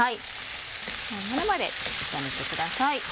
こうなるまで炒めてください。